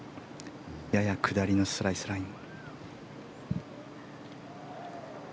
やや下りのスライスライン。